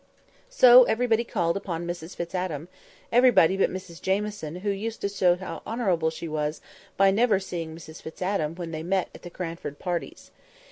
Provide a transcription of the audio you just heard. So everybody called upon Mrs Fitz Adam—everybody but Mrs Jamieson, who used to show how honourable she was by never seeing Mrs Fitz Adam when they met at the Cranford parties.